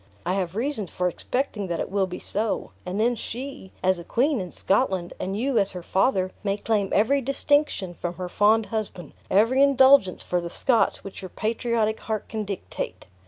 I have reasons for expecting that it will be so; and then she, as a queen in Scotland, and you as her father, may claim every distinction from her fond husband, every indulgence for the Scots, which your patriot heart can dictate.